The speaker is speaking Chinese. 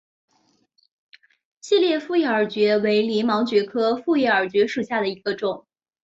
细裂复叶耳蕨为鳞毛蕨科复叶耳蕨属下的一个种。